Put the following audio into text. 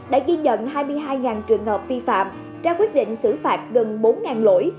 đã ghi nhận hai mươi hai trường hợp vi phạm ra quyết định xử phạt gần bốn lỗi